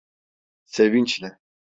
Sevinçle.